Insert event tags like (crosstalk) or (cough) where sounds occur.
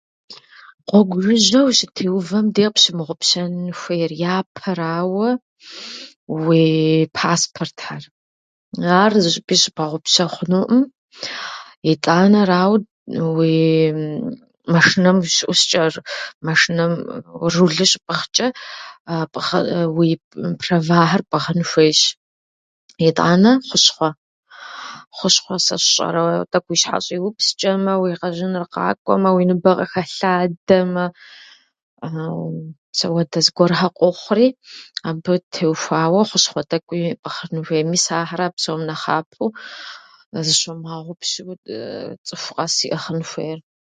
Гъуэгу жыжьэ ущытеувэм де къыпщымыгъупщэн хуейр, япэрауэ, уи паспортхьэр. Ар зы щӏыпӏи зыщыбгъэгъупщэ хъунуӏым. Итӏанэрау, уии мэшынэм ущыӏусчӏэ, мэшынэм рулыр щыпӏыгъчӏэ, (unintelligible) уи прэвахьэр пӏыгъын хуейщ. Итӏанэ хъущхъуэ. Хъущхъуэ, сэ сщӏэрэ, тӏэкӏу уи щхьэ щӏиупсчӏэмэ, уи къэжьыныр къакӏуэмэ, уи ныбэ къыхэлъадэмэ, (hesitation) мис ауэдэ зыгуэрхьэр къохъури, абы теухуауэ хъущхъуэ тӏэкӏуи ӏыгъын хуей. Мис ахьэра псом нэхъапэу зыщомыгъэгъупщэу (hesitation) цӏыху къэс иӏыгъын хуейр.